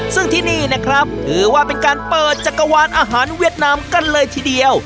ซึ่งที่นี่นะครับถือว่าเป็นการเปิดจักรวาลอาหารเวียดนามกันเลยทีเดียว